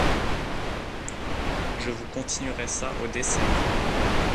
Je vous continuerai ça au dessert.